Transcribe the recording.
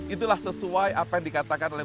itulah sesuai apa yang dikatakan allah swt